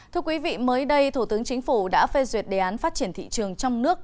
thưa quý vị mới đây thủ tướng chính phủ đã phê duyệt đề án phát triển thị trường trong nước